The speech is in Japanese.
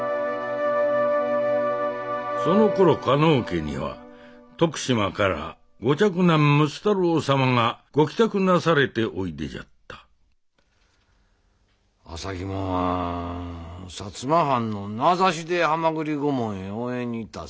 そのころ加納家には徳島から御嫡男睦太郎様が御帰宅なされておいでじゃった浅葱者は摩藩の名指しで蛤御門へ応援に行ったそうじゃが。